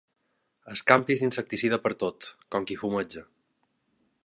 Escampis insecticida pertot, com qui fumeja.